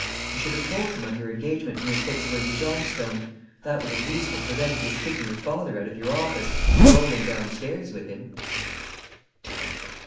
You should have told him of your engagement to Miss Hicksworthy Johnstone. That would at least have prevented his kicking her father out of your office and rolling downstairs with him."